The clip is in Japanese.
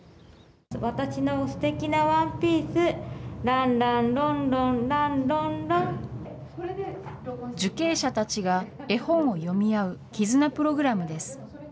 私のすてきなワンピース、ランラン、ロンロン、受刑者たちが絵本を読み合う、絆プログラムです。